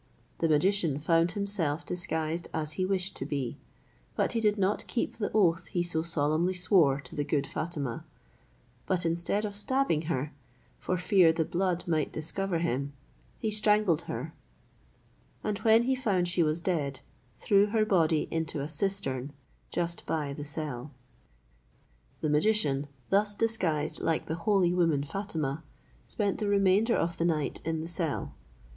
The magician found himself disguised as he wished to be; but he did not keep the oath he so solemnly swore to the good Fatima; but instead of stabbing her, for fear the blood might discover him, he strangled her; and when he found she was dead, threw her body into a cistern just by the cell. The magician, thus disguised like the holy woman Fatima, spent the remainder of the night in the cell.